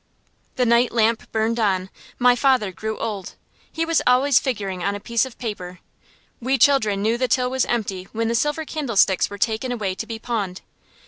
The night lamp burned on. My father grew old. He was always figuring on a piece of paper. We children knew the till was empty when the silver candlesticks were taken away to be pawned.